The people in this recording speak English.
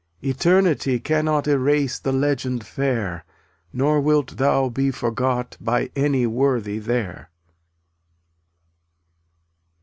Eternity cannot Erase the legend fair, Nor wilt thou be forgot By any worthy there.